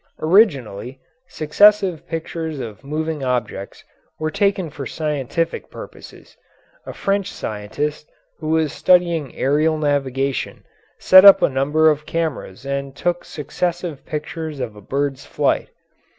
Originally, successive pictures of moving objects were taken for scientific purposes. A French scientist who was studying aerial navigation set up a number of cameras and took successive pictures of a bird's flight.